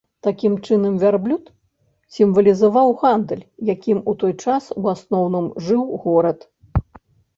Такім чынам, вярблюд сімвалізаваў гандаль, якім у той час у асноўным жыў горад.